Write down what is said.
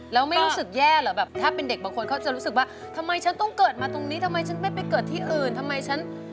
แล้วไม่รู้สึกแย่เหรอแบบถ้าเป็นเด็กบางคนเขาจะรู้สึกว่าทำไมฉันต้องเกิดมาตรงนี้ทำไมฉันไม่ไปเกิดที่อื่นทำไมฉัน